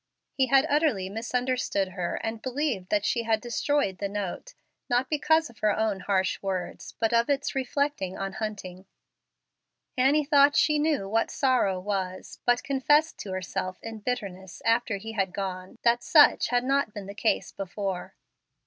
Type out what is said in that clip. He had utterly misunderstood her and believed that she had destroyed the note, not because of her own harsh words, but of his reflecting on Hunting. Annie thought she knew what sorrow was, but confessed to herself in bitterness, after he had gone, that such had not been the case before.